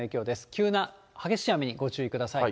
急な激しい雨にご注意ください。